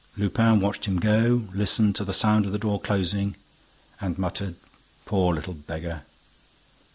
Lupin watched him go, listened to the sound of the door closing and muttered: "Poor little beggar!"